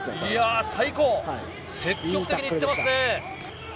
積極的にいってますね。